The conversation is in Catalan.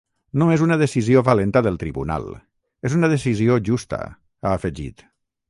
No és una decisió valenta del tribunal, és una decisió justa, ha afegit.